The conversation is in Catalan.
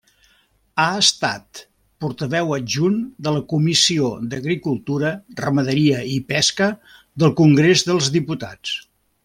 Ha estat portaveu adjunt de la Comissió d'Agricultura, Ramaderia i Pesca del Congrés dels Diputats.